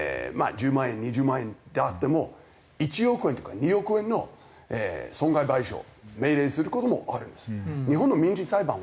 １０万円２０万円であっても１億円とか２億円の損害賠償を命令する事もあるんですよ。